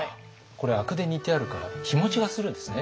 これ灰汁で煮てあるから日もちがするんですね。